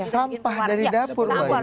sampah dari dapur mbak yuni